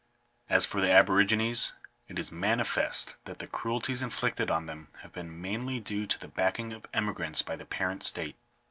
As for the aborigines, it is manifest that the cruelties inflicted on them have been mainly due to the backing of emigrants by the parent state.